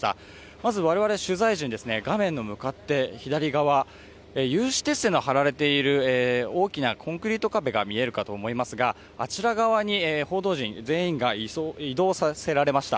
まず我々取材陣、画面に向かって左側、有刺鉄線の張られている大きなコンクリート壁が見えるかと思いますがあちら側に報道陣全員が移動させられました。